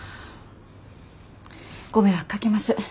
ご迷惑かけます。